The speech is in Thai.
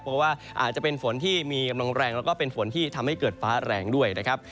เพราะว่าอาจจะเป็นฝนที่มีกำลังแรงแล้วก็เป็นฝนที่ทำให้เกิดฟ้าแรงด้วยนะครับ